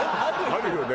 あるよね